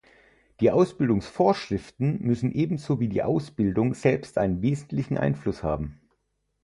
Die Ausbildungsvorschriften müssen ebenso wie die Ausbildung selbst einen wesentlichen Einfluss haben.